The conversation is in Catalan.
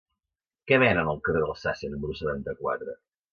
Què venen al carrer d'Alsàcia número setanta-quatre?